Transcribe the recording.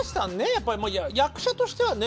やっぱり役者としてはね